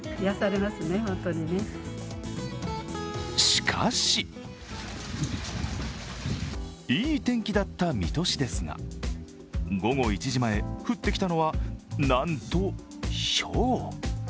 しかしいい天気だった水戸市ですが午後１時前降ってきたのはなんと、ひょう。